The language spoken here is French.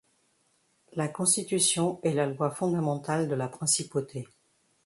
La Constitution est la loi fondamentale de la Principauté.